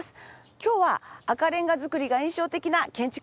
今日は赤レンガ造りが印象的な建築物です。